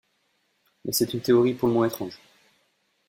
Mais c'est une théorie pour le moins étrange.